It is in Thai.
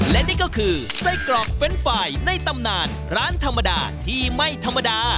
และนี่ก็คือไส้กรอกเรนด์ไฟล์ในตำนานร้านธรรมดาที่ไม่ธรรมดา